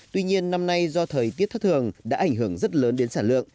tuy nhiên năm nay do thời tiết thất thường đã ảnh hưởng rất lớn đến sản lượng